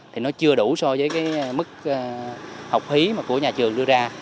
thì nó chưa đủ so với cái mức học phí mà của nhà trường đưa ra